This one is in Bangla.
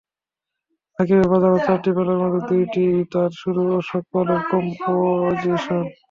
নাকিবের বাজানো চারটি রেলার মধ্যে দুটিই তাঁর গুরু অশোক পালের কম্পোজিশন।